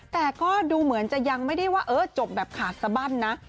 แต่ก็ดูเหมือนจะยังไม่ได้ว่าเออจบแบบขาดสบั้นนะ